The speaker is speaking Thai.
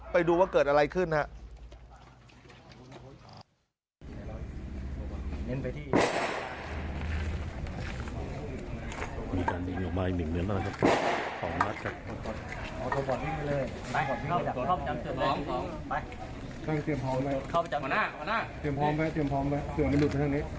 ไปดูว่าเกิดอะไรขึ้นครับ